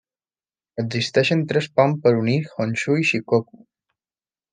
Existeixen tres ponts per a unir Honshu i Shikoku.